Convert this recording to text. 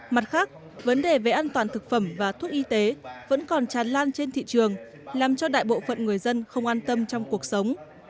mặt khác vấn đề về an toàn thực phẩm và thuốc y tế vẫn còn tràn lan trên thị trường làm cho đại bộ phận người dân không an tâm trong cuộc sống